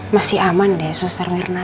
masih aman deh suster mirna